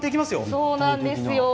そうなんですよ。